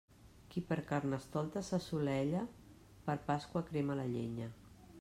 Qui per Carnestoltes s'assolella, per Pasqua crema la llenya.